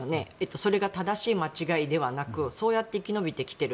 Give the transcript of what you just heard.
それが正しい、間違いではなくそうやって生き延びてきている。